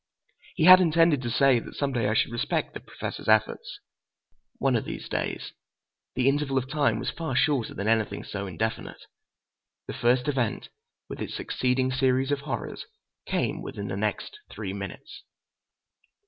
He had intended to say that some day I should respect the Professor's efforts. One of these days! The interval of time was far shorter than anything so indefinite. The first event, with its succeeding series of horrors, came within the next three minutes.